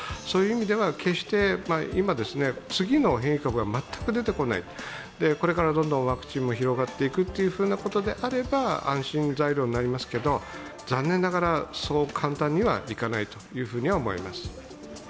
そういう意味では決して、次の変異株が全く出てこない、これからどんどんワクチンも広がっていくというふうなことであれば、安心材料になりますけど残念ながらそう簡単にはいかないと思います。